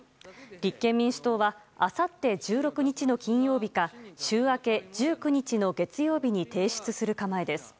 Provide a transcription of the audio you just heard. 立憲民主党はあさって１６日の金曜日か週明け１９日の月曜日に提出する構えです。